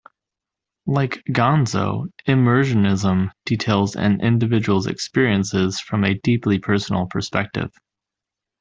Like Gonzo, immersionism details an individual's experiences from a deeply personal perspective.